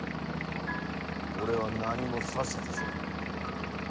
俺は何も指図せん。